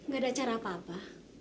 gak ada cara apa apa